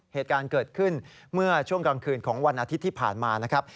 เหตุการณ์เกิดขึ้นเมื่อช่วงกลางคืนของวันอาทิตย์ที่ผ่านมานะครับ